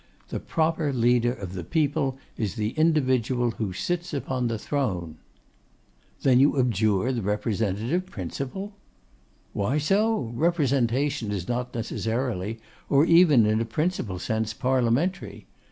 The proper leader of the people is the individual who sits upon the throne.' 'Then you abjure the Representative principle?' 'Why so? Representation is not necessarily, or even in a principal sense, Parliamentary.